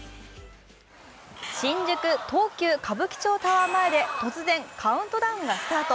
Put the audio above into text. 新宿・東急歌舞伎町タワー前で突然カウントダウンがスタート。